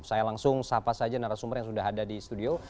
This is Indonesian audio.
saya langsung sapa saja narasumber yang sudah ada di studio